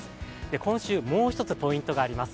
今週もう一つポイントがあります。